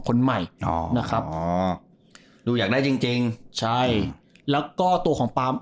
คนใหม่นะครับหนูอยากได้จริงใช่แล้วก็ตัวของปา